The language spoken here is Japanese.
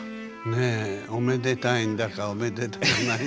ねえおめでたいんだかおめでたくないんだか。